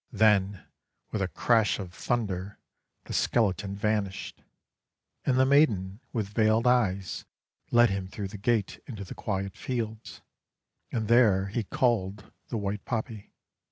Then with a crash of thunder the skeleton vanished, and the maiden with veiled eyes led him through the gate into the quiet fields, and there he culled the white poppy.